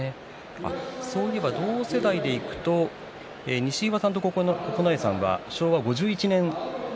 そういえば同世代でいくと西岩さんと九重さんは昭和５１年。